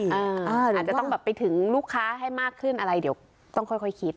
อาจจะต้องแบบไปถึงลูกค้าให้มากขึ้นอะไรเดี๋ยวต้องค่อยคิด